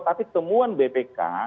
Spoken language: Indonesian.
tapi temuan bpk